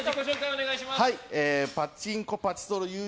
お願いします。